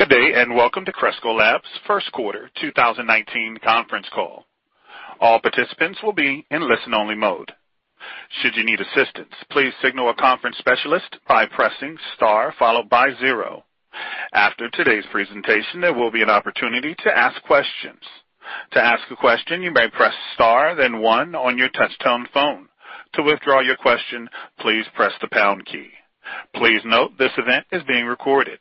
Good day, and welcome to Cresco Labs' First Quarter 2019 Conference Call. All participants will be in listen-only mode. Should you need assistance, please signal a conference specialist by pressing star followed by zero. After today's presentation, there will be an opportunity to ask questions. To ask a question, you may press star, then one on your touchtone phone. To withdraw your question, please press the pound key. Please note, this event is being recorded.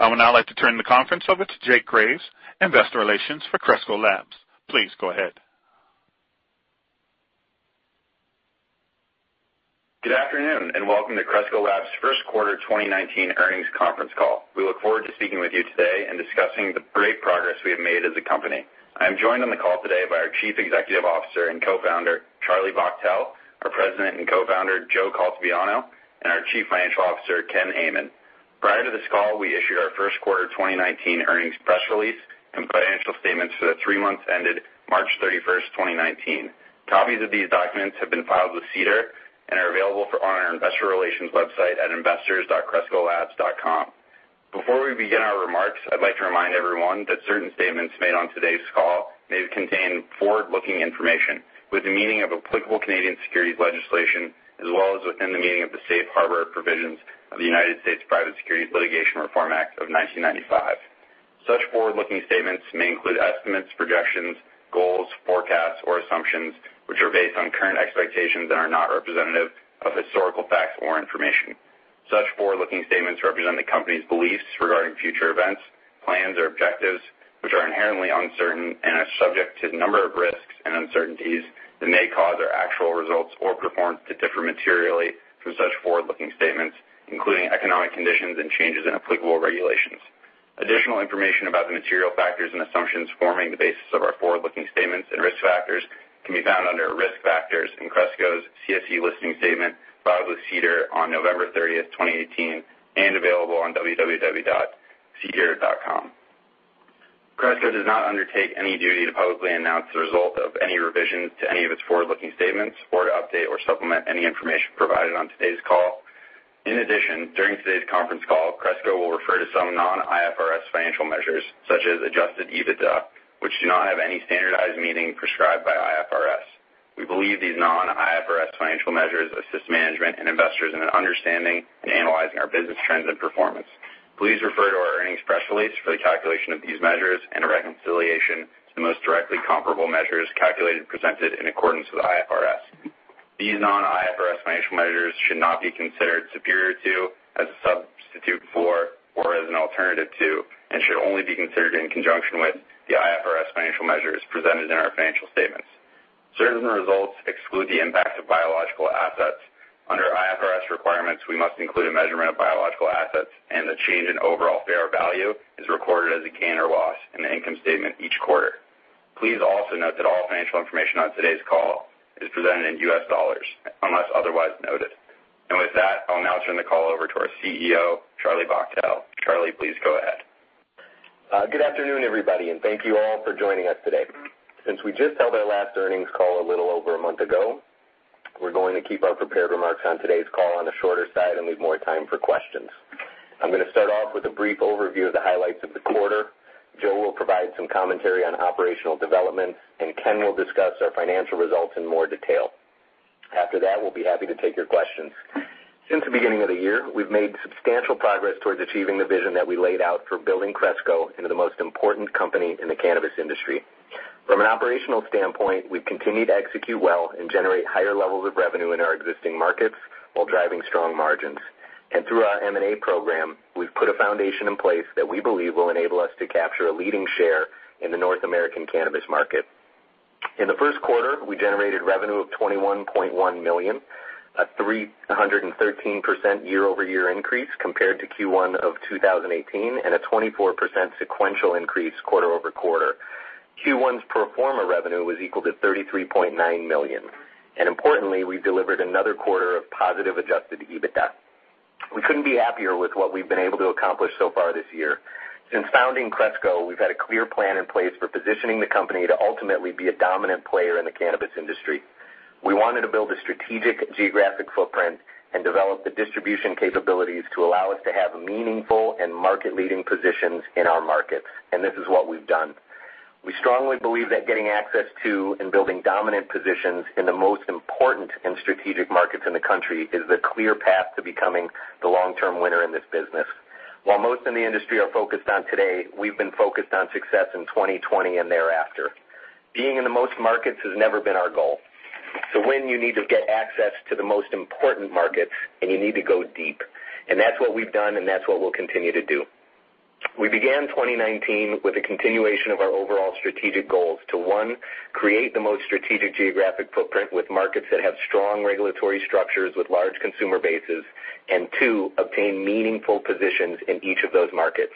I would now like to turn the conference over to Jake Graves, Investor Relations for Cresco Labs. Please go ahead. Good afternoon, and welcome to Cresco Labs' First Quarter 2019 Earnings Conference Call. We look forward to speaking with you today and discussing the great progress we have made as a company. I'm joined on the call today by our Chief Executive Officer and Co-founder, Charlie Bachtell, our President and Co-founder, Joe Caltabiano, and our Chief Financial Officer, Ken Amann. Prior to this call, we issued our first quarter twenty nineteen earnings press release and financial statements for the three months ended March thirty-first, twenty nineteen. Copies of these documents have been filed with SEDAR and are available on our investor relations website at investors.crescolabs.com. Before we begin our remarks, I'd like to remind everyone that certain statements made on today's call may contain forward-looking information with the meaning of applicable Canadian securities legislation, as well as within the meaning of the safe harbor provisions of the United States Private Securities Litigation Reform Act of nineteen ninety-five. Such forward-looking statements may include estimates, projections, goals, forecasts, or assumptions, which are based on current expectations that are not representative of historical facts or information. Such forward-looking statements represent the company's beliefs regarding future events, plans or objectives, which are inherently uncertain and are subject to a number of risks and uncertainties that may cause our actual results or performance to differ materially from such forward-looking statements, including economic conditions and changes in applicable regulations. Additional information about the material factors and assumptions forming the basis of our forward-looking statements and risk factors can be found under Risk Factors in Cresco's CSE listing statement, filed with SEDAR on November 13th, 2018, and available on www.sedar.com. Cresco does not undertake any duty to publicly announce the result of any revisions to any of its forward-looking statements or to update or supplement any information provided on today's call. In addition, during today's conference call, Cresco will refer to some non-IFRS financial measures, such as Adjusted EBITDA, which do not have any standardized meaning prescribed by IFRS. We believe these non-IFRS financial measures assist management and investors in understanding and analyzing our business trends and performance. Please refer to our earnings press release for the calculation of these measures and a reconciliation to the most directly comparable measures calculated and presented in accordance with IFRS. These non-IFRS financial measures should not be considered superior to, as a substitute for, or as an alternative to, and should only be considered in conjunction with the IFRS financial measures presented in our financial statements. Certain results exclude the impact of biological assets. Under IFRS requirements, we must include a measurement of biological assets, and the change in overall fair value is recorded as a gain or loss in the income statement each quarter. Please also note that all financial information on today's call is presented in U.S. dollars, unless otherwise noted, and with that, I'll now turn the call over to our CEO, Charlie Bachtell. Charlie, please go ahead. Good afternoon, everybody, and thank you all for joining us today. Since we just held our last earnings call a little over a month ago, we're going to keep our prepared remarks on today's call on the shorter side and leave more time for questions. I'm going to start off with a brief overview of the highlights of the quarter. Joe will provide some commentary on operational developments, and Ken will discuss our financial results in more detail. After that, we'll be happy to take your questions. Since the beginning of the year, we've made substantial progress towards achieving the vision that we laid out for building Cresco into the most important company in the cannabis industry. From an operational standpoint, we've continued to execute well and generate higher levels of revenue in our existing markets while driving strong margins. And through our M&A program, we've put a foundation in place that we believe will enable us to capture a leading share in the North American cannabis market. In the first quarter, we generated revenue of $21.1 million, a 313% year-over-year increase compared to Q1 of two thousand and eighteen, and a 24% sequential increase quarter over quarter. Q1's pro forma revenue was equal to $33.9 million, and importantly, we delivered another quarter of positive adjusted EBITDA. We couldn't be happier with what we've been able to accomplish so far this year. Since founding Cresco, we've had a clear plan in place for positioning the company to ultimately be a dominant player in the cannabis industry. We wanted to build a strategic geographic footprint and develop the distribution capabilities to allow us to have meaningful and market-leading positions in our markets, and this is what we've done. We strongly believe that getting access to and building dominant positions in the most important and strategic markets in the country is the clear path to becoming the long-term winner in this business. While most in the industry are focused on today, we've been focused on success in twenty twenty and thereafter. Being in the most markets has never been our goal. To win, you need to get access to the most important markets, and you need to go deep, and that's what we've done, and that's what we'll continue to do. We began 2019 with a continuation of our overall strategic goals to, one, create the most strategic geographic footprint with markets that have strong regulatory structures with large consumer bases, and two, obtain meaningful positions in each of those markets.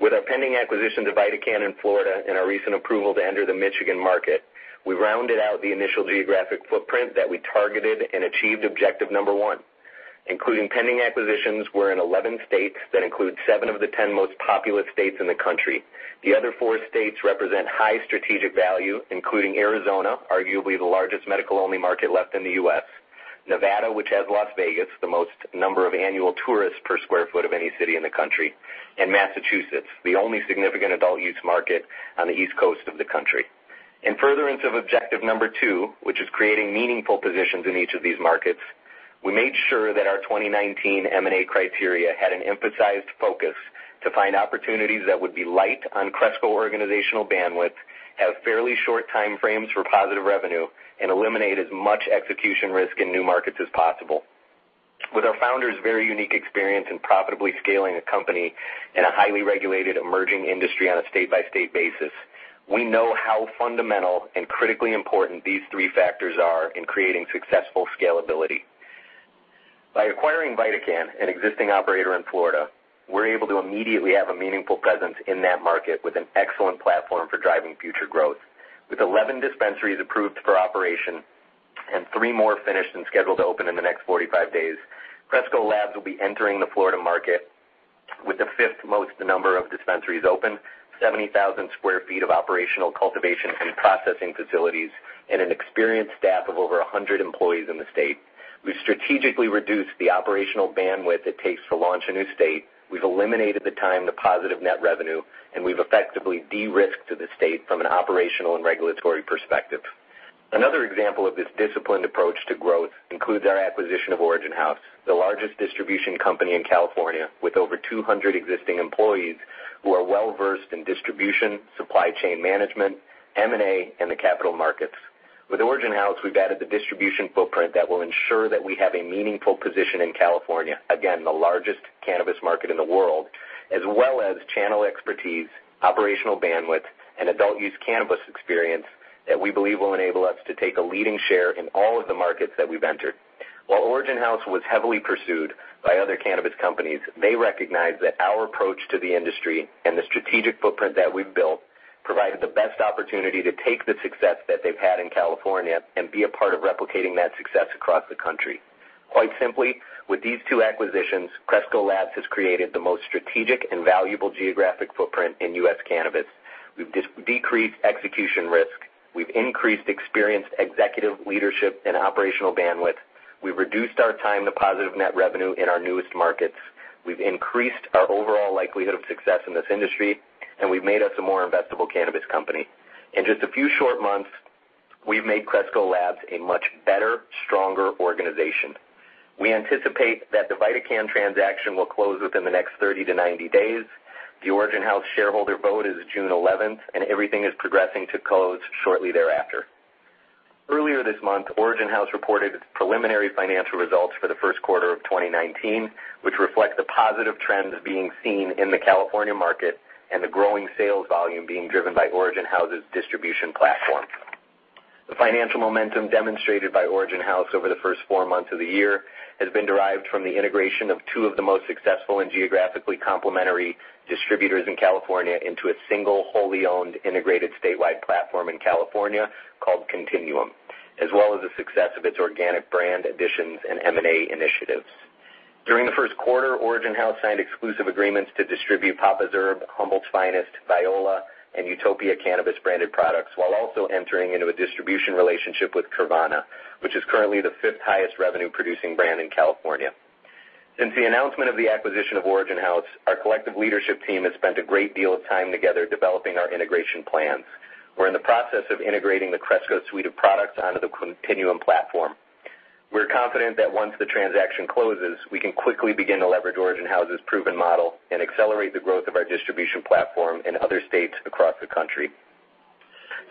With our pending acquisition to VidaCann in Florida and our recent approval to enter the Michigan market, we rounded out the initial geographic footprint that we targeted and achieved objective number one. Including pending acquisitions, we're in eleven states that include seven of the ten most populous states in the country. The other four states represent high strategic value, including Arizona, arguably the largest medical-only market left in the U.S., Nevada, which has Las Vegas, the most number of annual tourists per square foot of any city in the country, and Massachusetts, the only significant adult use market on the East Coast of the country. In furtherance of objective number two, which is creating meaningful positions in each of these markets, we made sure that our 2019 M&A criteria had an emphasized focus to find opportunities that would be light on Cresco organizational bandwidth, have fairly short time frames for positive revenue, and eliminate as much execution risk in new markets as possible. With our founder's very unique experience in profitably scaling a company in a highly regulated, emerging industry on a state-by-state basis, we know how fundamental and critically important these three factors are in creating successful scalability. By acquiring VidaCann, an existing operator in Florida, we're able to immediately have a meaningful presence in that market with an excellent platform for driving future growth. With 11 dispensaries approved for operation and three more finished and scheduled to open in the next 45 days, Cresco Labs will be entering the Florida market with the fifth most number of dispensaries open, 70,000 sq ft of operational cultivation and processing facilities, and an experienced staff of over 100 employees in the state. We've strategically reduced the operational bandwidth it takes to launch a new state, we've eliminated the time to positive net revenue, and we've effectively de-risked to the state from an operational and regulatory perspective. Another example of this disciplined approach to growth includes our acquisition of Origin House, the largest distribution company in California, with over 200 existing employees who are well-versed in distribution, supply chain management, M&A, and the capital markets. With Origin House, we've added the distribution footprint that will ensure that we have a meaningful position in California, again, the largest cannabis market in the world, as well as channel expertise, operational bandwidth, and adult use cannabis experience that we believe will enable us to take a leading share in all of the markets that we've entered. While Origin House was heavily pursued by other cannabis companies, they recognized that our approach to the industry and the strategic footprint that we've built provided the best opportunity to take the success that they've had in California and be a part of replicating that success across the country. Quite simply, with these two acquisitions, Cresco Labs has created the most strategic and valuable geographic footprint in U.S. cannabis. We've decreased execution risk, we've increased experienced executive leadership and operational bandwidth, we've reduced our time to positive net revenue in our newest markets, we've increased our overall likelihood of success in this industry, and we've made us a more investable cannabis company. In just a few short months, we've made Cresco Labs a much better, stronger organization. We anticipate that the VidaCann transaction will close within the next 30 days to 90 days. The Origin House shareholder vote is June 11th, and everything is progressing to close shortly thereafter. Earlier this month, Origin House reported its preliminary financial results for the first quarter of twenty nineteen, which reflect the positive trends being seen in the California market and the growing sales volume being driven by Origin House's distribution platform. The financial momentum demonstrated by Origin House over the first four months of the year has been derived from the integration of two of the most successful and geographically complementary distributors in California into a single, wholly owned, integrated statewide platform in California called Continuum, as well as the success of its organic brand additions and M&A initiatives. During the first quarter, Origin House signed exclusive agreements to distribute Papa's Herb, Humboldt's Finest, Viola, and Utopia Cannabis branded products, while also entering into a distribution relationship with Kurvana, which is currently the fifth highest revenue-producing brand in California. Since the announcement of the acquisition of Origin House, our collective leadership team has spent a great deal of time together developing our integration plans. We're in the process of integrating the Cresco suite of products onto the Continuum platform. We're confident that once the transaction closes, we can quickly begin to leverage Origin House's proven model and accelerate the growth of our distribution platform in other states across the country.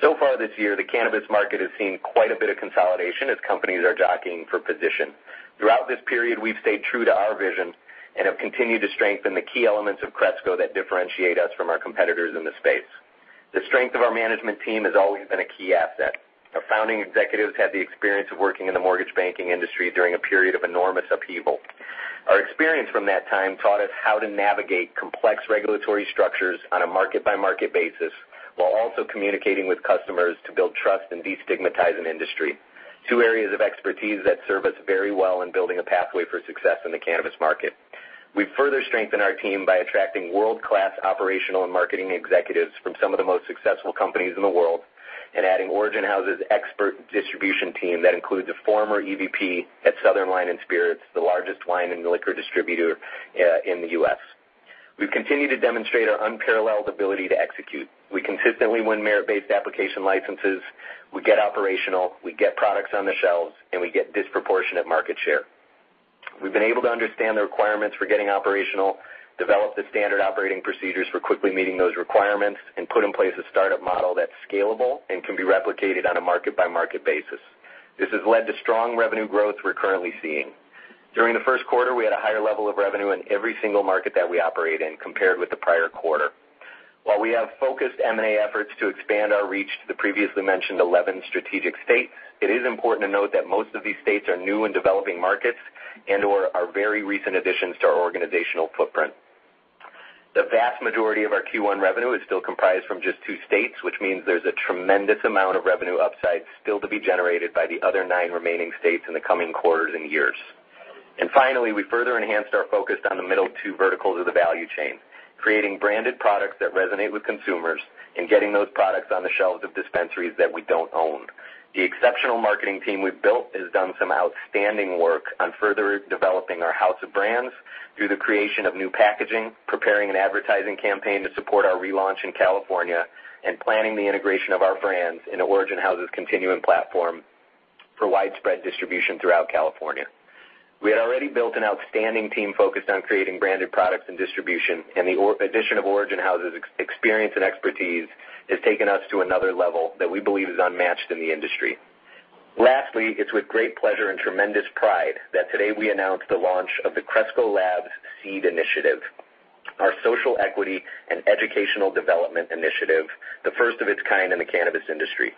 So far this year, the cannabis market has seen quite a bit of consolidation as companies are jockeying for position. Throughout this period, we've stayed true to our vision and have continued to strengthen the key elements of Cresco that differentiate us from our competitors in the space. The strength of our management team has always been a key asset. Our founding executives had the experience of working in the mortgage banking industry during a period of enormous upheaval. Our experience from that time taught us how to navigate complex regulatory structures on a market-by-market basis, while also communicating with customers to build trust and destigmatize an industry, two areas of expertise that serve us very well in building a pathway for success in the cannabis market. We've further strengthened our team by attracting world-class operational and marketing executives from some of the most successful companies in the world, and adding Origin House's expert distribution team that includes a former EVP at Southern Wine and Spirits, the largest wine and liquor distributor, in the U.S. We've continued to demonstrate our unparalleled ability to execute. We consistently win merit-based application licenses, we get operational, we get products on the shelves, and we get disproportionate market share. We've been able to understand the requirements for getting operational, develop the standard operating procedures for quickly meeting those requirements, and put in place a startup model that's scalable and can be replicated on a market-by-market basis. This has led to strong revenue growth we're currently seeing. During the first quarter, we had a higher level of revenue in every single market that we operate in compared with the prior quarter. While we have focused M&A efforts to expand our reach to the previously mentioned eleven strategic states, it is important to note that most of these states are new and developing markets and/or are very recent additions to our organizational footprint. The vast majority of our Q1 revenue is still comprised from just two states, which means there's a tremendous amount of revenue upside still to be generated by the other nine remaining states in the coming quarters and years. And finally, we further enhanced our focus on the middle two verticals of the value chain, creating branded products that resonate with consumers and getting those products on the shelves of dispensaries that we don't own. The exceptional marketing team we've built has done some outstanding work on further developing our house of brands through the creation of new packaging, preparing an advertising campaign to support our relaunch in California, and planning the integration of our brands in Origin House's continuing platform for widespread distribution throughout California. We had already built an outstanding team focused on creating branded products and distribution, and the addition of Origin House's experience and expertise has taken us to another level that we believe is unmatched in the industry. Lastly, it's with great pleasure and tremendous pride that today we announce the launch of the Cresco Labs SEED Initiative, our social equity and educational development initiative, the first of its kind in the cannabis industry.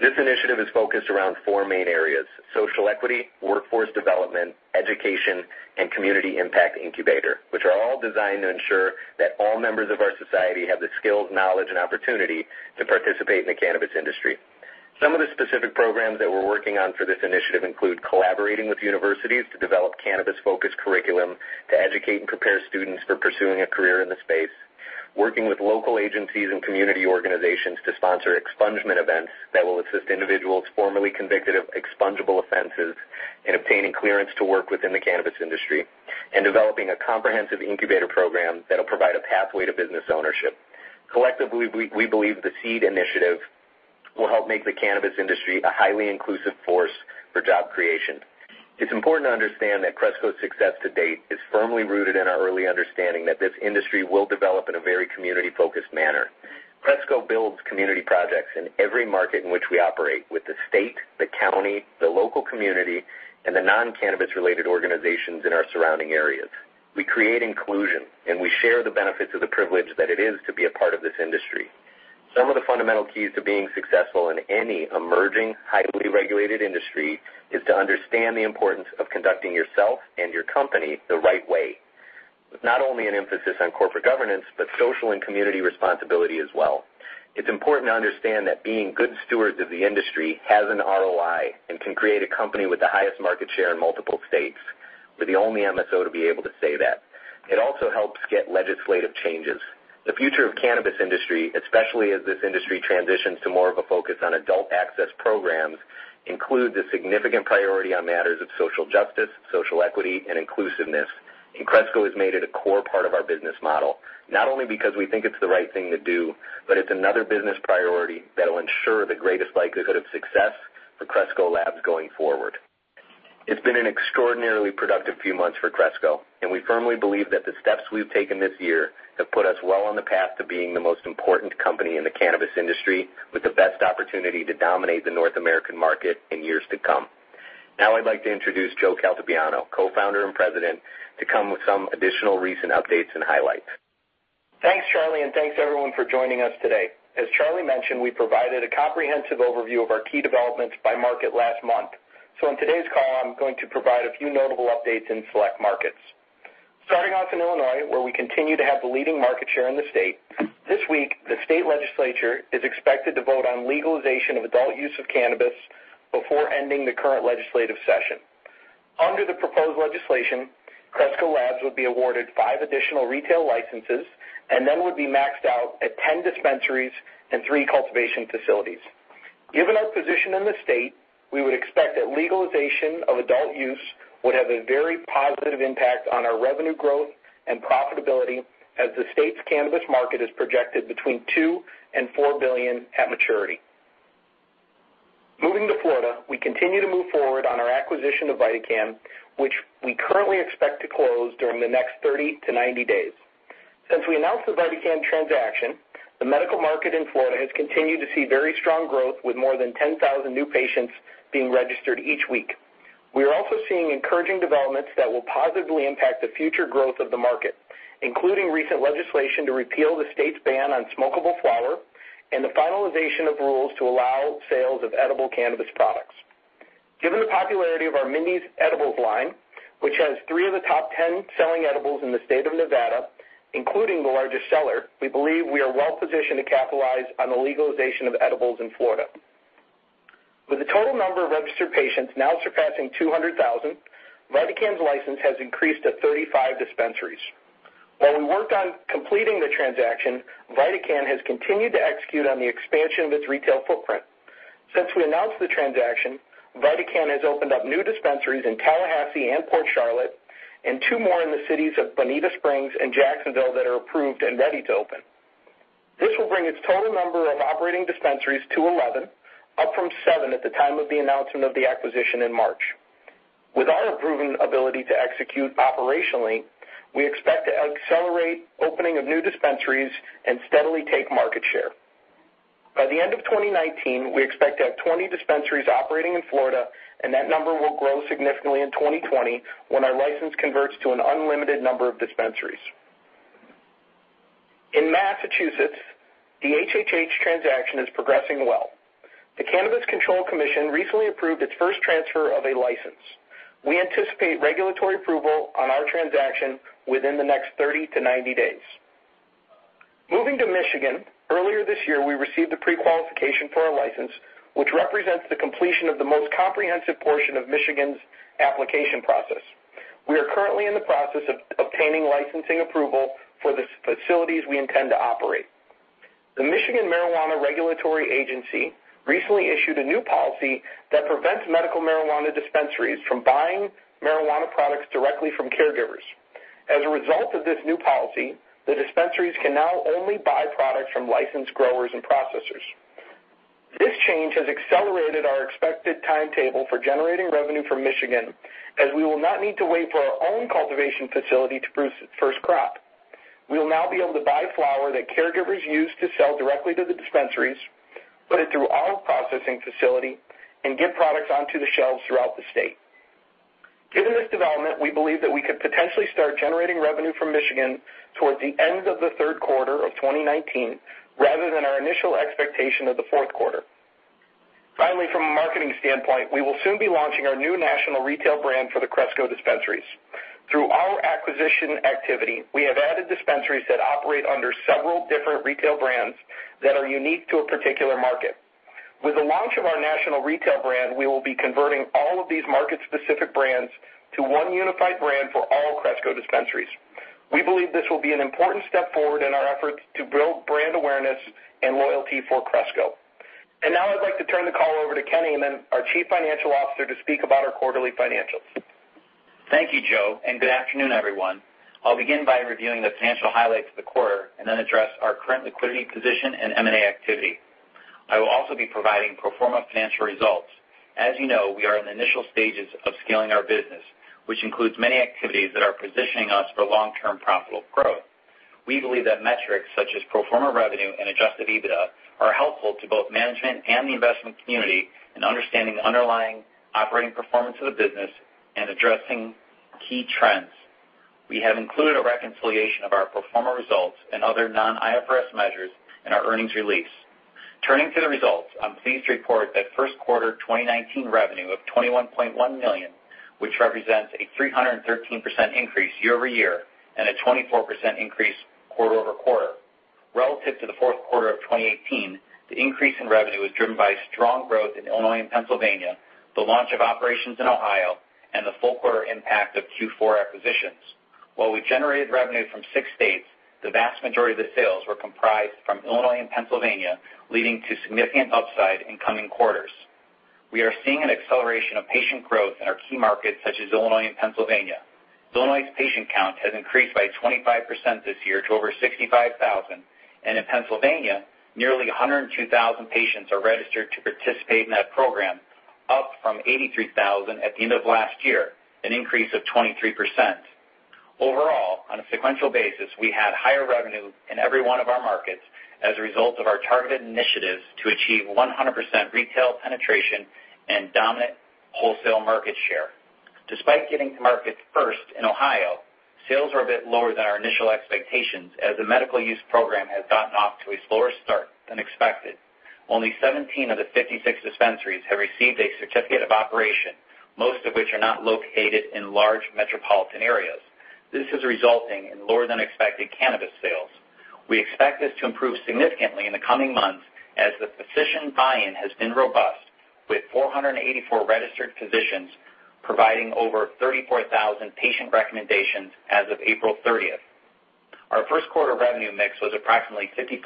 This initiative is focused around four main areas: social equity, workforce development, education, and community impact incubator, which are all designed to ensure that all members of our society have the skills, knowledge, and opportunity to participate in the cannabis industry. Some of the specific programs that we're working on for this initiative include collaborating with universities to develop cannabis-focused curriculum to educate and prepare students for pursuing a career in the space, working with local agencies and community organizations to sponsor expungement events that will assist individuals formerly convicted of expungable offenses in obtaining clearance to work within the cannabis industry, and developing a comprehensive incubator program that'll provide a pathway to business ownership. Collectively, we believe the SEED Initiative will help make the cannabis industry a highly inclusive force for job creation. It's important to understand that Cresco's success to date is firmly rooted in our early understanding that this industry will develop in a very community-focused manner. Cresco builds community projects in every market in which we operate, with the state, the county, the local community, and the non-cannabis-related organizations in our surrounding areas. We create inclusion, and we share the benefits of the privilege that it is to be a part of this industry. Some of the fundamental keys to being successful in any emerging, highly regulated industry is to understand the importance of conducting yourself and your company the right way, with not only an emphasis on corporate governance, but social and community responsibility as well. It's important to understand that being good stewards of the industry has an ROI and can create a company with the highest market share in multiple states. We're the only MSO to be able to say that. It also helps get legislative changes. The future of cannabis industry, especially as this industry transitions to more of a focus on adult access programs, includes a significant priority on matters of social justice, social equity, and inclusiveness, and Cresco has made it a core part of our business model, not only because we think it's the right thing to do, but it's another business priority that'll ensure the greatest likelihood of success for Cresco Labs going forward. It's been an extraordinarily productive few months for Cresco, and we firmly believe that the steps we've taken this year have put us well on the path to being the most important company in the cannabis industry, with the best opportunity to dominate the North American market in years to come. Now I'd like to introduce Joe Caltabiano, Co-founder and President, to come with some additional recent updates and highlights. Thanks, Charlie, and thanks, everyone, for joining us today. As Charlie mentioned, we provided a comprehensive overview of our key developments by market last month. So in today's call, I'm going to provide a few notable updates in select markets. Starting off in Illinois, where we continue to have the leading market share in the state, this week, the state legislature is expected to vote on legalization of adult use of cannabis before ending the current legislative session. Under the proposed legislation, Cresco Labs would be awarded five additional retail licenses and then would be maxed out at 10 dispensaries and three cultivation facilities. Given our position in the state, we would expect that legalization of adult use would have a very positive impact on our revenue growth and profitability, as the state's cannabis market is projected between $2 and $4 billion at maturity. Moving to Florida, we continue to move forward on our acquisition of VidaCann, which we currently expect to close during the next thirty to ninety days. Since we announced the VidaCann transaction, the medical market in Florida has continued to see very strong growth, with more than ten thousand new patients being registered each week. We are also seeing encouraging developments that will positively impact the future growth of the market, including recent legislation to repeal the state's ban on smokable flower and the finalization of rules to allow sales of edible cannabis products. Given the popularity of our Mindy's edibles line, which has three of the top ten selling edibles in the state of Nevada, including the largest seller, we believe we are well positioned to capitalize on the legalization of edibles in Florida. With the total number of registered patients now surpassing 200,000. VidaCann's license has increased to thirty-five dispensaries. While we worked on completing the transaction, VidaCann has continued to execute on the expansion of its retail footprint. Since we announced the transaction, VidaCann has opened up new dispensaries in Tallahassee and Port Charlotte and two more in the cities of Bonita Springs and Jacksonville that are approved and ready to open. This will bring its total number of operating dispensaries to eleven, up from seven at the time of the announcement of the acquisition in March. With our proven ability to execute operationally, we expect to accelerate opening of new dispensaries and steadily take market share. By the end of 2019, we expect to have 20 dispensaries operating in Florida, and that number will grow significantly in twenty twenty, when our license converts to an unlimited number of dispensaries. In Massachusetts, the HHH transaction is progressing well. The Cannabis Control Commission recently approved its first transfer of a license. We anticipate regulatory approval on our transaction within the next 30 days to 90 days. Moving to Michigan, earlier this year, we received a pre-qualification for our license, which represents the completion of the most comprehensive portion of Michigan's application process. We are currently in the process of obtaining licensing approval for the facilities we intend to operate. The Michigan Marijuana Regulatory Agency recently issued a new policy that prevents medical marijuana dispensaries from buying marijuana products directly from caregivers. As a result of this new policy, the dispensaries can now only buy products from licensed growers and processors. This change has accelerated our expected timetable for generating revenue from Michigan, as we will not need to wait for our own cultivation facility to produce its first crop. We will now be able to buy flower that caregivers use to sell directly to the dispensaries, put it through our processing facility, and get products onto the shelves throughout the state. Given this development, we believe that we could potentially start generating revenue from Michigan towards the end of the third quarter of twenty nineteen, rather than our initial expectation of the fourth quarter. Finally, from a marketing standpoint, we will soon be launching our new national retail brand for the Cresco dispensaries. Through our acquisition activity, we have added dispensaries that operate under several different retail brands that are unique to a particular market. With the launch of our national retail brand, we will be converting all of these market-specific brands to one unified brand for all Cresco dispensaries. We believe this will be an important step forward in our efforts to build brand awareness and loyalty for Cresco. Now I'd like to turn the call over to Ken, our Chief Financial Officer, to speak about our quarterly financials. Thank you, Joe, and good afternoon, everyone. I'll begin by reviewing the financial highlights of the quarter and then address our current liquidity position and M&A activity. I will also be providing pro forma financial results. As you know, we are in the initial stages of scaling our business, which includes many activities that are positioning us for long-term profitable growth. We believe that metrics such as pro forma revenue and Adjusted EBITDA are helpful to both management and the investment community in understanding the underlying operating performance of the business and addressing key trends. We have included a reconciliation of our pro forma results and other non-IFRS measures in our earnings release. Turning to the results, I'm pleased to report that first quarter 2019 revenue of $21.1 million, which represents a 313% increase year over year and a 24% increase quarter over quarter. Relative to the fourth quarter of 2018, the increase in revenue was driven by strong growth in Illinois and Pennsylvania, the launch of operations in Ohio, and the full quarter impact of Q4 acquisitions. While we generated revenue from six states, the vast majority of the sales were comprised from Illinois and Pennsylvania, leading to significant upside in coming quarters. We are seeing an acceleration of patient growth in our key markets, such as Illinois and Pennsylvania. Illinois' patient count has increased by 25% this year to over 65,000, and in Pennsylvania, nearly 102,000 patients are registered to participate in that program, up from 83,000 at the end of last year, an increase of 23%. Overall, on a sequential basis, we had higher revenue in every one of our markets as a result of our targeted initiatives to achieve 100% retail penetration and dominant wholesale market share. Despite getting to market first in Ohio, sales are a bit lower than our initial expectations, as the medical use program has gotten off to a slower start than expected. Only 17 of the 56 dispensaries have received a certificate of operation, most of which are not located in large metropolitan areas. This is resulting in lower-than-expected cannabis sales. We expect this to improve significantly in the coming months as the physician buy-in has been robust, with 484 registered physicians providing over 34,000 patient recommendations as of April thirtieth. Our first quarter revenue mix was approximately 55%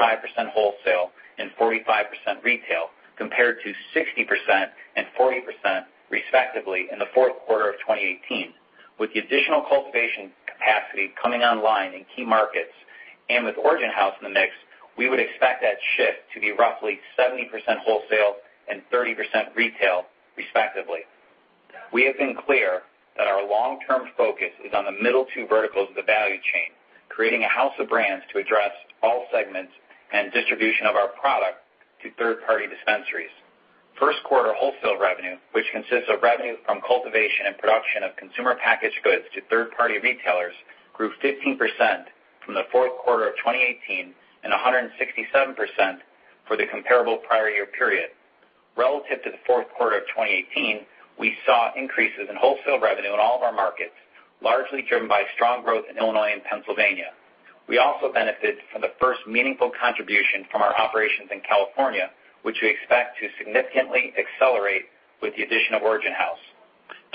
wholesale and 45% retail, compared to 60% and 40%, respectively, in the fourth quarter of 2018. With the additional cultivation capacity coming online in key markets and with Origin House in the mix, we would expect that shift to be roughly 70% wholesale and 30% retail, respectively. We have been clear that our long-term focus is on the middle two verticals of the value chain, creating a house of brands to address all segments and distribution of our product to third-party dispensaries. First quarter wholesale revenue, which consists of revenue from cultivation and production of consumer packaged goods to third-party retailers, grew 15% from the fourth quarter of 2018 and 167% for the comparable prior year period. Relative to the fourth quarter of 2018, we saw increases in wholesale revenue in all of our markets, largely driven by strong growth in Illinois and Pennsylvania. We also benefited from the first meaningful contribution from our operations in California, which we expect to significantly accelerate with the addition of Origin House.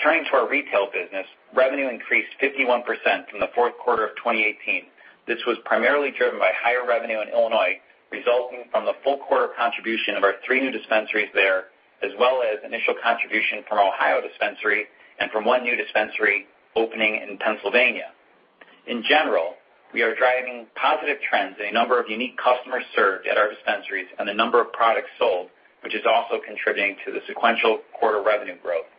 Turning to our retail business, revenue increased 51% from the fourth quarter of 2018. This was primarily driven by higher revenue in Illinois, resulting from the full quarter contribution of our three new dispensaries there, as well as initial contribution from Ohio dispensary and from one new dispensary opening in Pennsylvania. In general, we are driving positive trends in the number of unique customers served at our dispensaries and the number of products sold, which is also contributing to the sequential quarter revenue growth.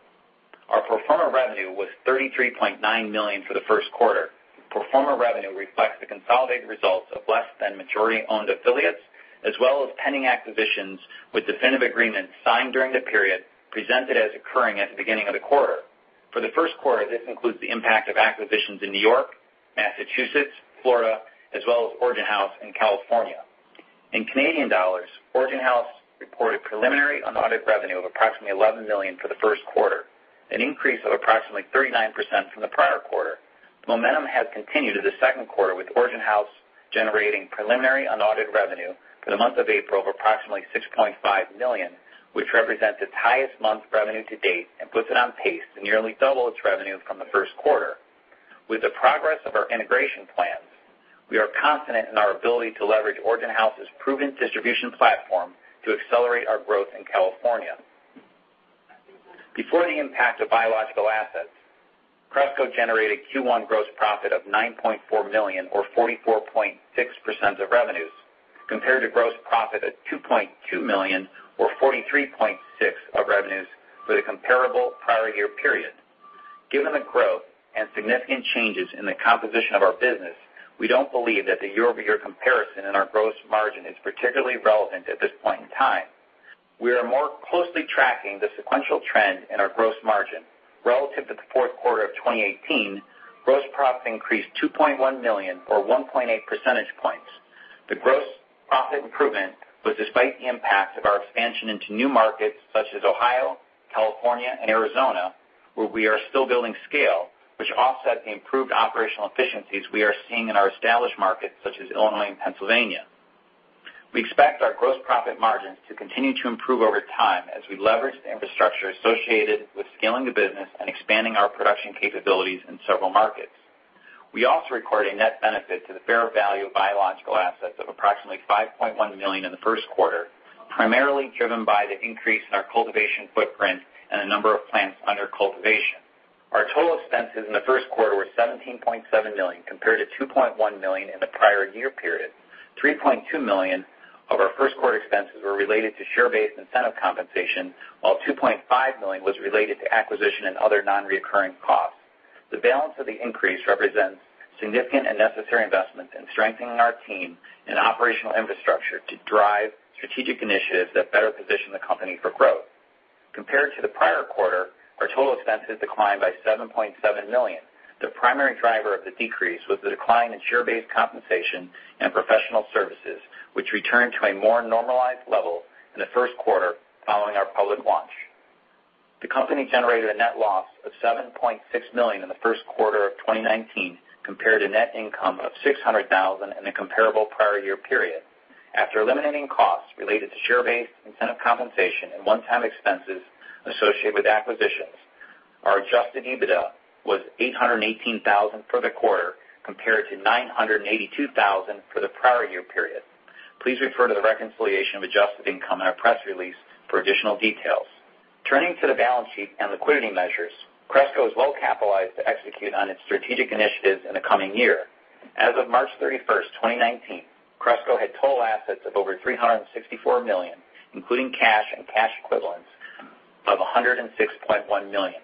Our pro forma revenue was $33.9 million for the first quarter. Pro forma revenue reflects the consolidated results of less than majority-owned affiliates, as well as pending acquisitions, with definitive agreements signed during the period presented as occurring at the beginning of the quarter. For the first quarter, this includes the impact of acquisitions in New York, Massachusetts, Florida, as well as Origin House in California. In Canadian dollars, Origin House reported preliminary unaudited revenue of approximately 11 million for the first quarter, an increase of approximately 39% from the prior quarter. The momentum has continued to the second quarter, with Origin House generating preliminary unaudited revenue for the month of April of approximately 6.5 million, which represents its highest month revenue to date and puts it on pace to nearly double its revenue from the first quarter. With the progress of our integration plans, we are confident in our ability to leverage Origin House's proven distribution platform to accelerate our growth in California. Before the impact of biological assets, Cresco generated Q1 gross profit of $9.4 million, or 44.6% of revenues, compared to gross profit of $2.2 million, or 43.6% of revenues for the comparable prior year period. Given the growth and significant changes in the composition of our business, we don't believe that the year-over-year comparison in our gross margin is particularly relevant at this point in time. We are more closely tracking the sequential trend in our gross margin. Relative to the fourth quarter of 2018, gross profit increased $2.1 million, or 1.8 percentage points. The gross profit improvement was despite the impacts of our expansion into new markets such as Ohio, California, and Arizona, where we are still building scale, which offset the improved operational efficiencies we are seeing in our established markets, such as Illinois and Pennsylvania. We expect our gross profit margins to continue to improve over time as we leverage the infrastructure associated with scaling the business and expanding our production capabilities in several markets. We also recorded a net benefit to the fair value of biological assets of approximately $5.1 million in the first quarter, primarily driven by the increase in our cultivation footprint and the number of plants under cultivation. Our total expenses in the first quarter were $17.7 million, compared to $2.1 million in the prior year period. $3.2 million of our first quarter expenses were related to share-based incentive compensation, while $2.5 million was related to acquisition and other non-recurring costs. The balance of the increase represents significant and necessary investments in strengthening our team and operational infrastructure to drive strategic initiatives that better position the company for growth. Compared to the prior quarter, our total expenses declined by $7.7 million. The primary driver of the decrease was the decline in share-based compensation and professional services, which returned to a more normalized level in the first quarter following our public launch. The company generated a net loss of $7.6 million in the first quarter of 2019, compared to net income of $600,000 in the comparable prior year period. After eliminating costs related to share-based incentive compensation and one-time expenses associated with acquisitions, our Adjusted EBITDA was $818,000 for the quarter, compared to $982,000 for the prior year period. Please refer to the reconciliation of adjusted income in our press release for additional details. Turning to the balance sheet and liquidity measures, Cresco is well capitalized to execute on its strategic initiatives in the coming year. As of March 31st, 2019, Cresco had total assets of over $364 million, including cash and cash equivalents of $106.1 million.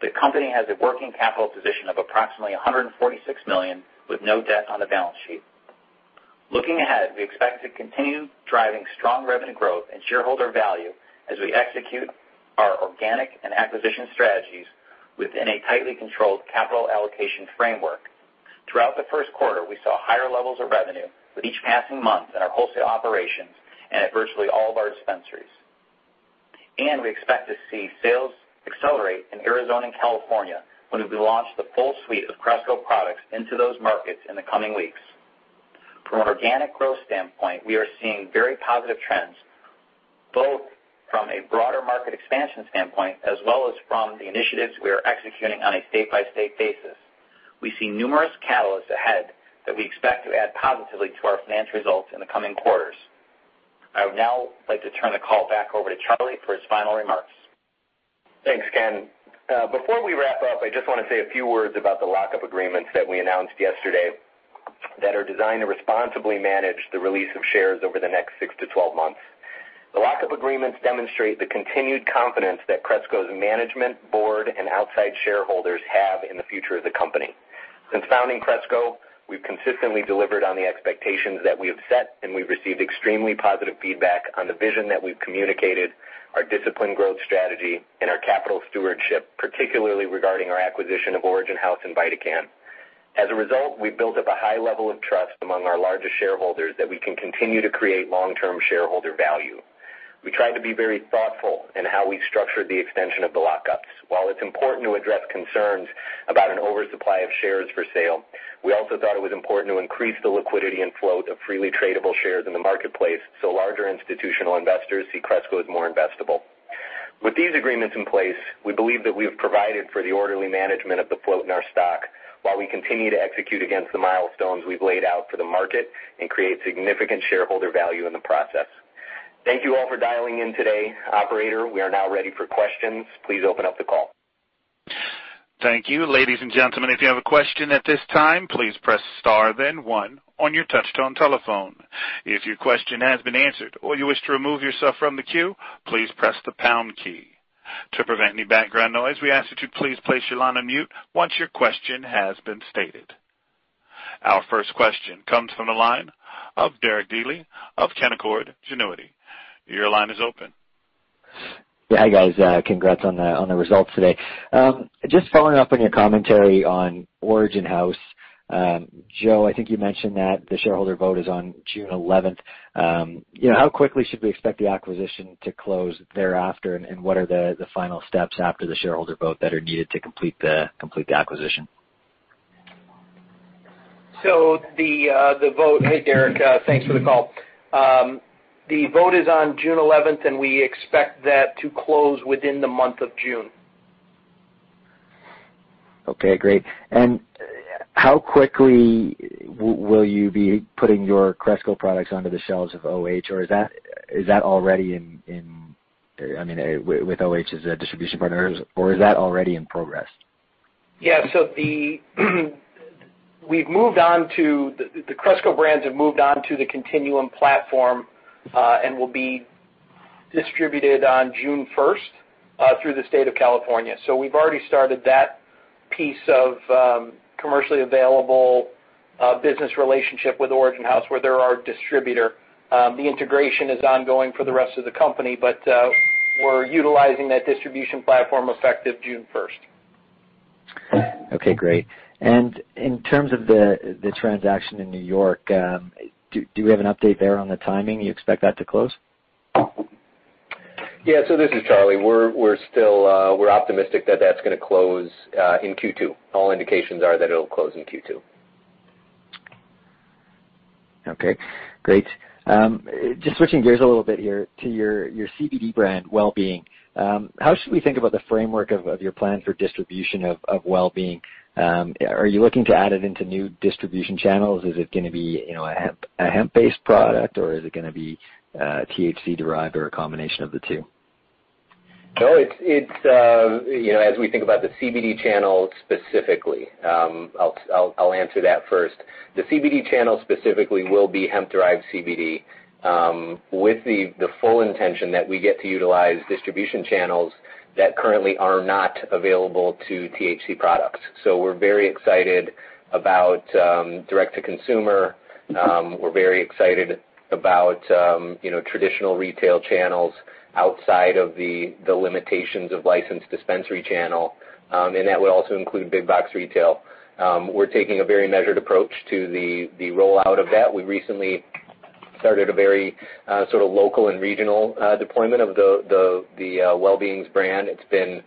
The company has a working capital position of approximately $146 million, with no debt on the balance sheet. Looking ahead, we expect to continue driving strong revenue growth and shareholder value as we execute our organic and acquisition strategies within a tightly controlled capital allocation framework. Throughout the first quarter, we saw higher levels of revenue with each passing month in our wholesale operations and at virtually all of our dispensaries, and we expect to see sales accelerate in Arizona and California when we launch the full suite of Cresco products into those markets in the coming weeks. From an organic growth standpoint, we are seeing very positive trends, both from a broader market expansion standpoint, as well as from the initiatives we are executing on a state-by-state basis. We see numerous catalysts ahead that we expect to add positively to our financial results in the coming quarters. I would now like to turn the call back over to Charlie for his final remarks. Thanks, Ken. Before we wrap up, I just want to say a few words about the lock-up agreements that we announced yesterday that are designed to responsibly manage the release of shares over the next six to twelve months. The lock-up agreements demonstrate the continued confidence that Cresco's management, board, and outside shareholders have in the future of the company. Since founding Cresco, we've consistently delivered on the expectations that we have set, and we've received extremely positive feedback on the vision that we've communicated, our disciplined growth strategy, and our capital stewardship, particularly regarding our acquisition of Origin House and VidaCann. As a result, we've built up a high level of trust among our largest shareholders that we can continue to create long-term shareholder value. We tried to be very thoughtful in how we structured the extension of the lock-ups. While it's important to address concerns about an oversupply of shares for sale, we also thought it was important to increase the liquidity and flow of freely tradable shares in the marketplace, so larger institutional investors see Cresco as more investable. With these agreements in place, we believe that we have provided for the orderly management of the float in our stock while we continue to execute against the milestones we've laid out for the market and create significant shareholder value in the process. Thank you all for dialing in today. Operator, we are now ready for questions. Please open up the call. Thank you. Ladies and gentlemen, if you have a question at this time, please press star, then one on your touchtone telephone. If your question has been answered or you wish to remove yourself from the queue, please press the pound key. To prevent any background noise, we ask that you please place your line on mute once your question has been stated. Our first question comes from the line of Derek Dley of Canaccord Genuity. Your line is open. Yeah, hi, guys. Congrats on the results today. Just following up on your commentary on Origin House. Joe, I think you mentioned that the shareholder vote is on June eleventh. You know, how quickly should we expect the acquisition to close thereafter? And what are the final steps after the shareholder vote that are needed to complete the acquisition? So the vote. Hey, Derek, thanks for the call. The vote is on June 11th, and we expect that to close within the month of June. Okay, great. And how quickly will you be putting your Cresco products onto the shelves of OH? Or is that already in, I mean, with OH as a distribution partner, or is that already in progress? The Cresco brands have moved on to the Continuum platform and will be distributed on June first through the state of California. So we've already started that piece of commercially available business relationship with Origin House, where they're our distributor. The integration is ongoing for the rest of the company, but we're utilizing that distribution platform effective June first. Okay, great, and in terms of the transaction in New York, do you have an update there on the timing you expect that to close? Yeah, so this is Charlie. We're still optimistic that that's going to close in Q2. All indications are that it'll close in Q2. Okay, great. Just switching gears a little bit here to your CBD brand, Well Beings. How should we think about the framework of your plan for distribution of Well Beings? Are you looking to add it into new distribution channels? Is it going to be, you know, a hemp-based product, or is it going to be THC-derived or a combination of the two? No, it's, you know, as we think about the CBD channel specifically, I'll answer that first. The CBD channel specifically will be hemp-derived CBD, with the full intention that we get to utilize distribution channels that currently are not available to THC products. So we're very excited about direct-to-consumer. We're very excited about, you know, traditional retail channels outside of the limitations of licensed dispensary channel, and that will also include big box retail. We're taking a very measured approach to the rollout of that. We recently started a very sort of local and regional deployment of the Well Beings brand. It's been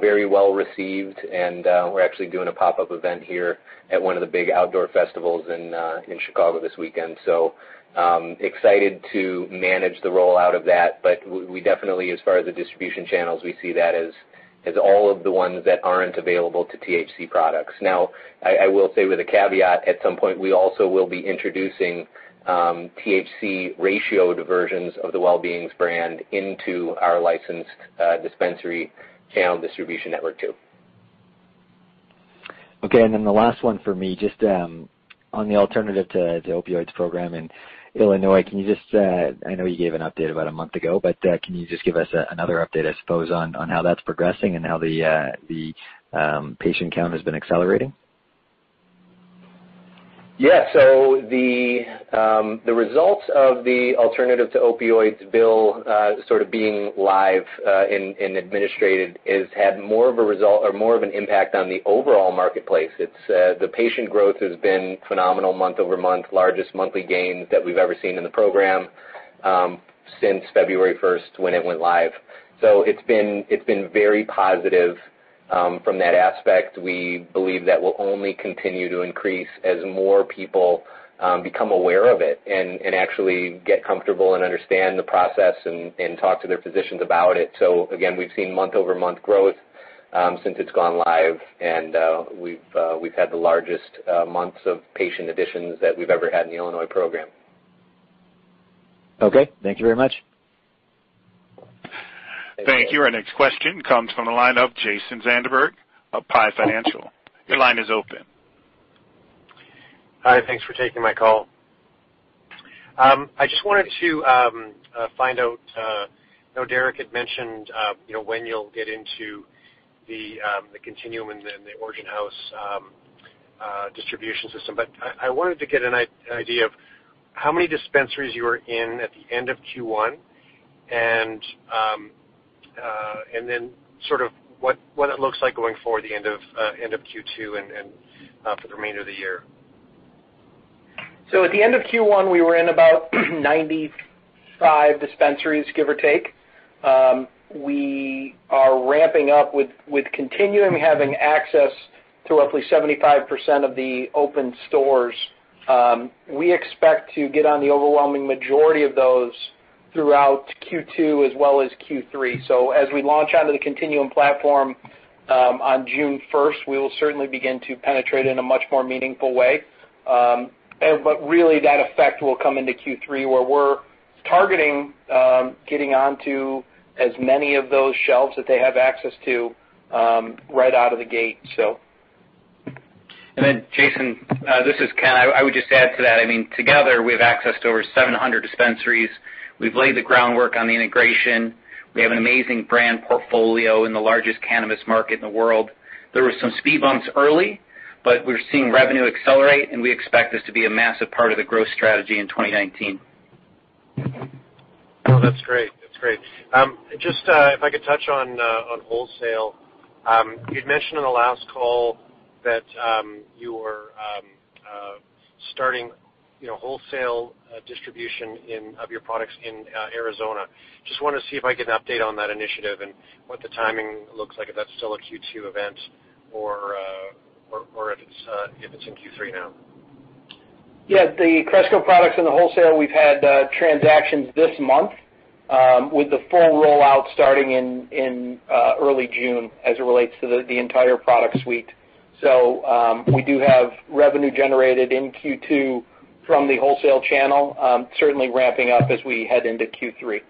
very well received, and we're actually doing a pop-up event here at one of the big outdoor festivals in Chicago this weekend. Excited to manage the rollout of that, but we definitely, as far as the distribution channels, we see that as all of the ones that aren't available to THC products. Now, I will say with a caveat, at some point, we also will be introducing THC-ratioed versions of the Well Beings brand into our licensed dispensary channel distribution network, too. Okay, and then the last one for me, just on the alternative to opioids program in Illinois. Can you just, I know you gave an update about a month ago, but, can you just give us another update, I suppose, on how that's progressing and how the patient count has been accelerating? Yeah. So the results of the alternative to opioids bill sort of being live and administered has had more of a result or more of an impact on the overall marketplace. It's the patient growth has been phenomenal month-over-month, largest monthly gains that we've ever seen in the program since February 1st, when it went live. So it's been very positive from that aspect. We believe that will only continue to increase as more people become aware of it and actually get comfortable and understand the process and talk to their physicians about it. So again, we've seen month-over-month growth since it's gone live, and we've had the largest months of patient additions that we've ever had in the Illinois program. Okay. Thank you very much. Thank you. Our next question comes from the line of Jason Zandberg of PI Financial. Your line is open. Hi, thanks for taking my call. I just wanted to find out. I know Derek had mentioned, you know, when you'll get into the Continuum and then the Origin House distribution system, but I wanted to get an idea of how many dispensaries you were in at the end of Q1, and then sort of what it looks like going forward, the end of Q2 and for the remainder of the year. So at the end of Q1, we were in about 95 dispensaries, give or take. We are ramping up with Continuum having access to roughly 75% of the open stores. We expect to get on the overwhelming majority of those throughout Q2 as well as Q3. So as we launch onto the Continuum platform, on June first, we will certainly begin to penetrate in a much more meaningful way. But really, that effect will come into Q3, where we're targeting getting onto as many of those shelves that they have access to, right out of the gate, so. And then, Jason, this is Ken. I would just add to that. I mean, together, we have access to over 700 dispensaries. We've laid the groundwork on the integration. We have an amazing brand portfolio in the largest cannabis market in the world. There were some speed bumps early but we're seeing revenue accelerate, and we expect this to be a massive part of the growth strategy in 2019. No, that's great. That's great. Just, if I could touch on wholesale. You'd mentioned on the last call that you were starting, you know, wholesale distribution of your products in Arizona. Just want to see if I can get an update on that initiative and what the timing looks like, if that's still a Q2 event or if it's in Q3 now. Yeah, the Cresco products in the wholesale, we've had transactions this month with the full rollout starting in early June as it relates to the entire product suite. So, we do have revenue generated in Q2 from the wholesale channel, certainly ramping up as we head into Q3.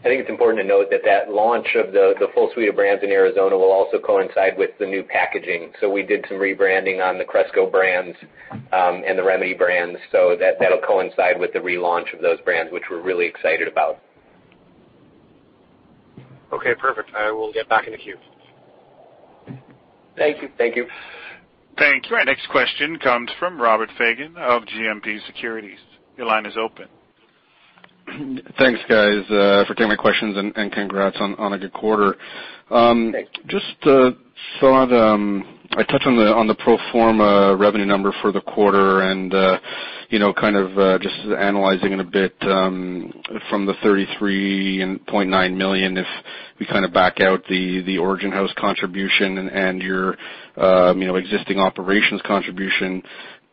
I think it's important to note that the launch of the full suite of brands in Arizona will also coincide with the new packaging. So we did some rebranding on the Cresco brands and the Remedi brands, so that'll coincide with the relaunch of those brands, which we're really excited about. Okay, perfect. I will get back in the queue. Thank you. Thank you. Thank you. Our next question comes from Robert Fagan of GMP Securities. Your line is open. Thanks, guys, for taking my questions, and congrats on a good quarter. Just saw a touch on the pro forma revenue number for the quarter, and you know, kind of just analyzing it a bit, from the $33.9 million, if you kind of back out the Origin House contribution and your you know existing operations contribution,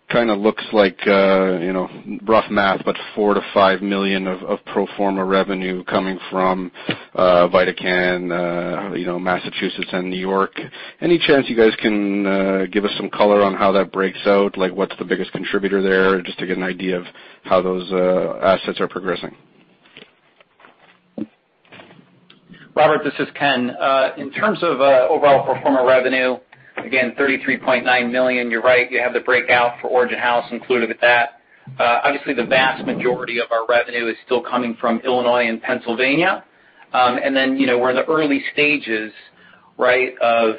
kind of looks like you know rough math, but $4 million-$5 million of pro forma revenue coming from VidaCann you know Massachusetts and New York. Any chance you guys can give us some color on how that breaks out? Like, what's the biggest contributor there, just to get an idea of how those assets are progressing? Robert, this is Ken. In terms of overall pro forma revenue, again, $33.9 million, you're right, you have the breakout for Origin House included with that. Obviously, the vast majority of our revenue is still coming from Illinois and Pennsylvania, and then, you know, we're in the early stages, right, of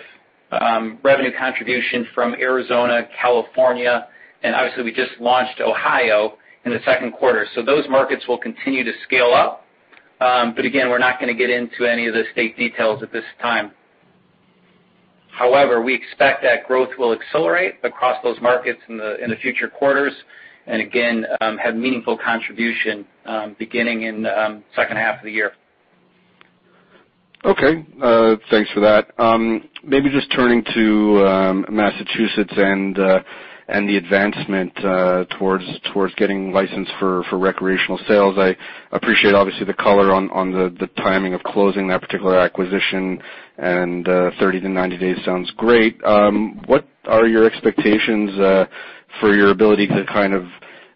revenue contribution from Arizona, California, and obviously, we just launched Ohio in the second quarter, so those markets will continue to scale up, but again, we're not gonna get into any of the state details at this time. However, we expect that growth will accelerate across those markets in the future quarters, and again, have meaningful contribution beginning in second half of the year. Okay, thanks for that. Maybe just turning to Massachusetts and the advancement towards getting licensed for recreational sales. I appreciate, obviously, the color on the timing of closing that particular acquisition, and 30 days-90 days sounds great. What are your expectations for your ability to kind of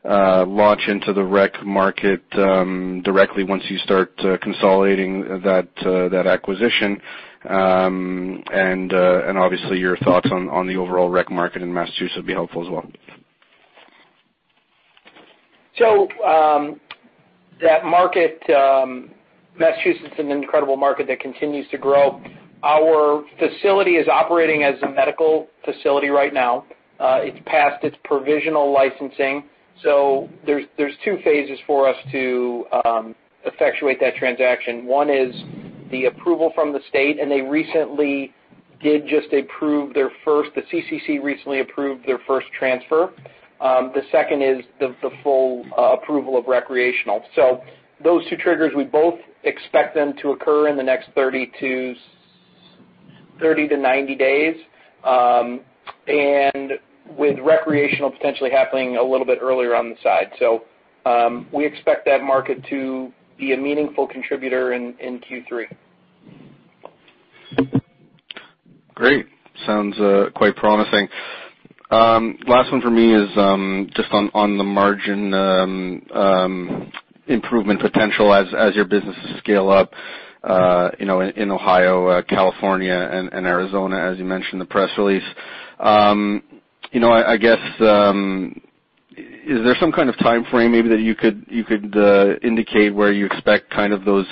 launch into the rec market directly once you start consolidating that acquisition, and obviously your thoughts on the overall rec market in Massachusetts would be helpful as well? So, that market, Massachusetts is an incredible market that continues to grow. Our facility is operating as a medical facility right now. It's passed its provisional licensing, so there's two phases for us to effectuate that transaction. One is the approval from the state, and they recently did just approve their first. The CCC recently approved their first transfer. The second is the full approval of recreational. So those two triggers, we both expect them to occur in the next thirty to ninety days, and with recreational potentially happening a little bit earlier on the side. So, we expect that market to be a meaningful contributor in Q3. Great. Sounds quite promising. Last one for me is just on the margin improvement potential as your businesses scale up, you know, in Ohio, California and Arizona, as you mentioned in the press release. You know, I guess is there some kind of timeframe maybe that you could indicate where you expect kind of those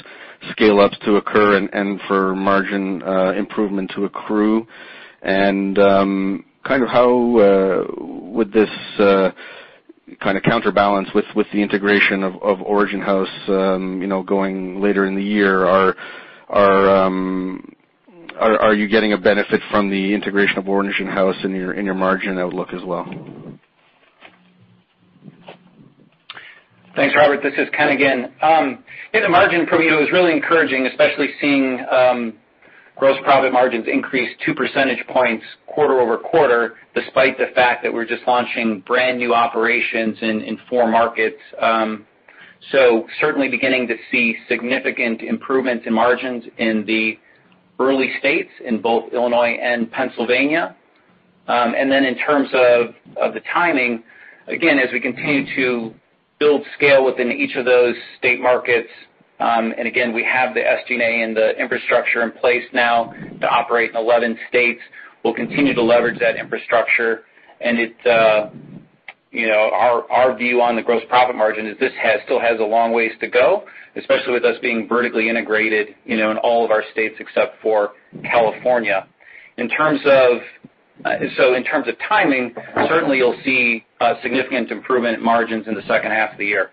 scale-ups to occur and for margin improvement to accrue? And kind of how would this kind of counterbalance with the integration of Origin House, you know, going later in the year? Are you getting a benefit from the integration of Origin House in your margin outlook as well? Thanks, Robert. This is Ken again. Yeah, the margin for me though is really encouraging, especially seeing gross profit margins increase two percentage points quarter over quarter, despite the fact that we're just launching brand-new operations in four markets. So certainly beginning to see significant improvements in margins in the early states, in both Illinois and Pennsylvania. And then in terms of the timing, again, as we continue to build scale within each of those state markets, and again, we have the SG&A and the infrastructure in place now to operate in eleven states. We'll continue to leverage that infrastructure, and it. you know, our view on the gross profit margin is, this still has a long ways to go, especially with us being vertically integrated, you know, in all of our states except for California. In terms of, so in terms of timing, certainly you'll see a significant improvement in margins in the second half of the year.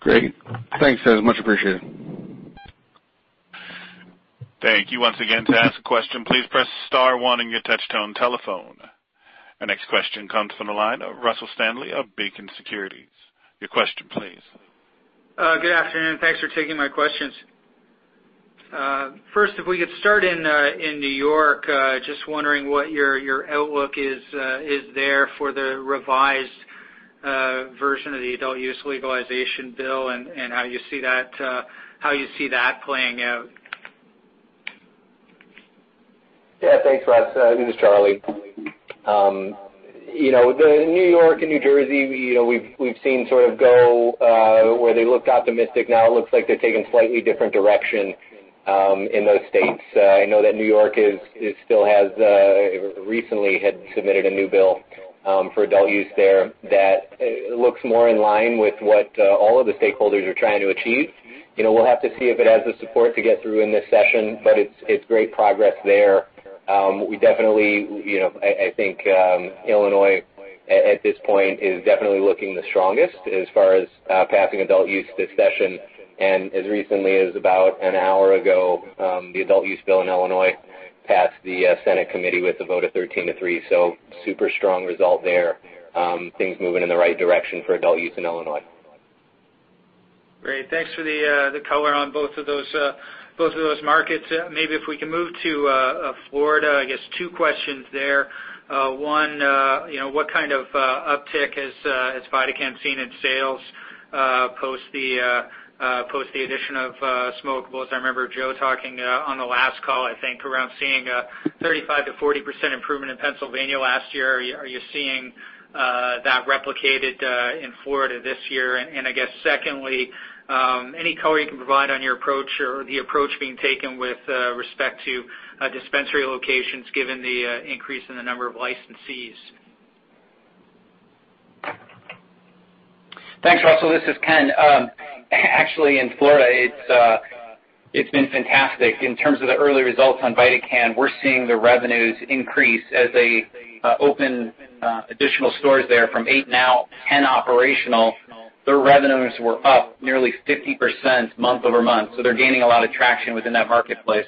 Great. Thanks, guys. Much appreciated. Thank you. Once again, to ask a question, please press star one on your touchtone telephone. Our next question comes from the line of Russell Stanley of Beacon Securities. Your question, please. Good afternoon. Thanks for taking my questions. First, if we could start in New York, just wondering what your outlook is there for the revised version of the adult-use legalization bill and how you see that playing out? Yeah, thanks, Russ. This is Charlie. You know, the New York and New Jersey, you know, we've seen sort of go where they looked optimistic. Now it looks like they're taking slightly different direction in those states. I know that New York is, it still has recently had submitted a new bill for adult use there that looks more in line with what all of the stakeholders are trying to achieve. You know, we'll have to see if it has the support to get through in this session, but it's great progress there. We definitely, you know, I think, Illinois at this point is definitely looking the strongest as far as passing adult use this session, and as recently as about an hour ago, the adult use bill in Illinois passed the Senate committee with a vote of thirteen to three, so super strong result there. Things moving in the right direction for adult use in Illinois. Great. Thanks for the color on both of those markets. Maybe if we can move to Florida, I guess two questions there. One, you know, what kind of uptick has VidaCann seen in sales post the addition of smokables? I remember Joe talking on the last call, I think, around seeing a 35%-40% improvement in Pennsylvania last year. Are you seeing that replicated in Florida this year? And I guess secondly, any color you can provide on your approach or the approach being taken with respect to dispensary locations, given the increase in the number of licensees? Thanks, Russell. This is Ken. Actually, in Florida, it's been fantastic. In terms of the early results on VidaCann, we're seeing the revenues increase as they open additional stores there from eight, now 10 operational. Their revenues were up nearly 50% month-over-month, so they're gaining a lot of traction within that marketplace.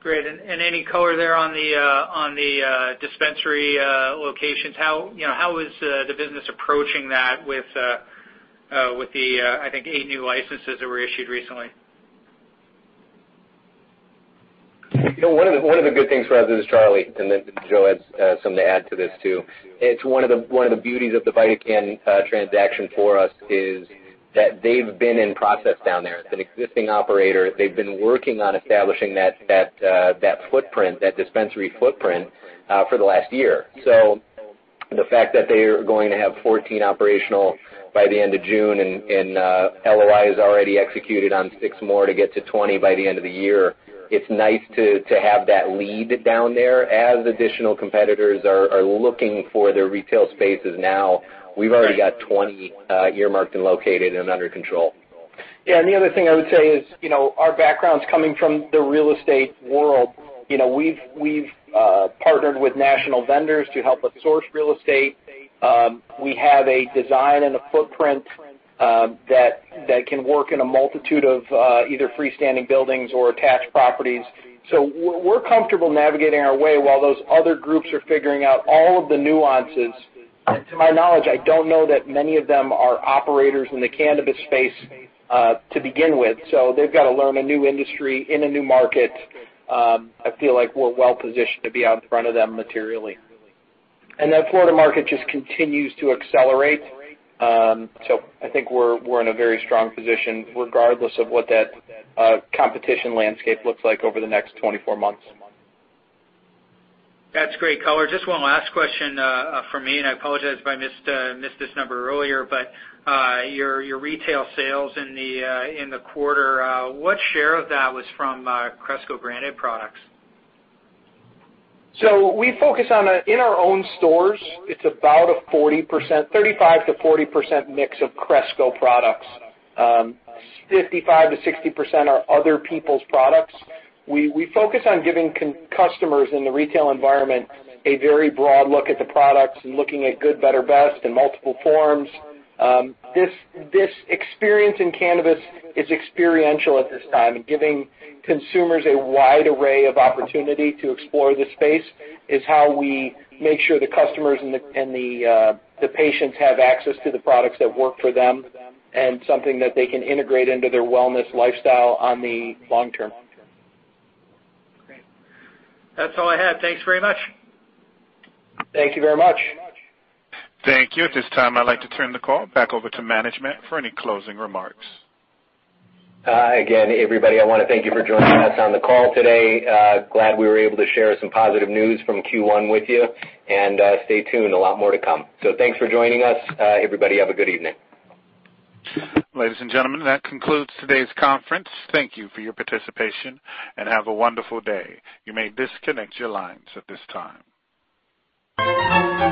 Great. And any color there on the dispensary locations? How, you know, how is the business approaching that with the, I think, eight new licenses that were issued recently? One of the good things for us, this is Charlie, and then Joe has something to add to this, too. It's one of the beauties of the VidaCann transaction for us is that they've been in process down there. It's an existing operator. They've been working on establishing that footprint, that dispensary footprint, for the last year. So the fact that they are going to have 14 operational by the end of June and LOI is already executed on six more to get to 20 by the end of the year, it's nice to have that lead down there. As additional competitors are looking for their retail spaces now, we've already got 20 earmarked and located and under control. Yeah, and the other thing I would say is, you know, our background's coming from the real estate world. You know, we've partnered with national vendors to help us source real estate. We have a design and a footprint that can work in a multitude of either freestanding buildings or attached properties. So we're comfortable navigating our way while those other groups are figuring out all of the nuances. To my knowledge, I don't know that many of them are operators in the cannabis space to begin with, so they've got to learn a new industry in a new market. I feel like we're well positioned to be out in front of them materially. That Florida market just continues to accelerate. I think we're in a very strong position, regardless of what that competition landscape looks like over the next twenty-four months. That's great color. Just one last question from me, and I apologize if I missed this number earlier, but your retail sales in the quarter, what share of that was from Cresco branded products? So we focus on in our own stores. It's about a 40%, 35%-40% mix of Cresco products. 55%-60% are other people's products. We focus on giving customers in the retail environment a very broad look at the products and looking at good, better, best in multiple forms. This experience in cannabis is experiential at this time, and giving consumers a wide array of opportunity to explore this space is how we make sure the customers and the patients have access to the products that work for them, and something that they can integrate into their wellness lifestyle on the long term. Great. That's all I had. Thanks very much. Thank you very much. Thank you. At this time, I'd like to turn the call back over to management for any closing remarks. Again, everybody, I want to thank you for joining us on the call today. Glad we were able to share some positive news from Q1 with you, and stay tuned. A lot more to come. So thanks for joining us. Everybody, have a good evening. Ladies and gentlemen, that concludes today's conference. Thank you for your participation, and have a wonderful day. You may disconnect your lines at this time.